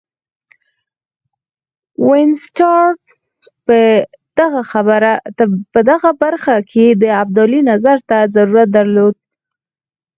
وینسیټارټ په دغه برخه کې د ابدالي نظر ته ضرورت درلود.